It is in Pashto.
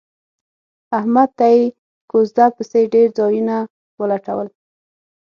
احمد ته یې کوزده پسې ډېر ځایونه ولټول